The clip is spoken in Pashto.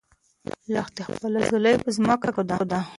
لښتې خپله ځولۍ په ځمکه کېښوده.